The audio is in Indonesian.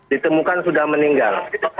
ditemukan sudah meninggal